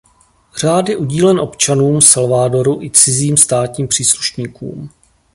Řád je udílen občanům Salvadoru i cizím státním příslušníkům.